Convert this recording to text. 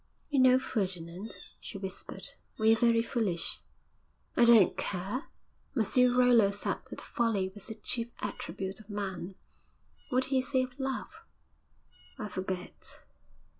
'You know, Ferdinand,' she whispered, 'we are very foolish.' 'I don't care.' 'Monsieur Rollo said that folly was the chief attribute of man.' 'What did he say of love?' 'I forget.'